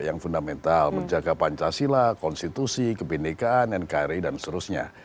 yang fundamental menjaga pancasila konstitusi kebenekaan nkri dan seterusnya